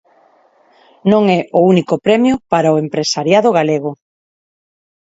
Non é o único premio para o empresariado galego.